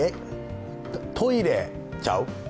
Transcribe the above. トイレちゃう？